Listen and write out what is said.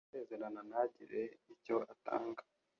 Umuntu uhora asezerana ntagire icyo atanga